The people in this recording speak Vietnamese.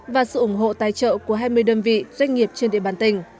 và sự ủng hộ tài trợ của hai mươi đơn vị doanh nghiệp trên địa bàn tỉnh